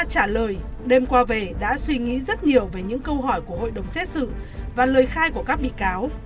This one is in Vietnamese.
trả lời đêm qua về đã suy nghĩ rất nhiều về những câu hỏi của hội đồng xét xử và lời khai của các bị cáo